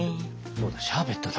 そうだシャーベットだ。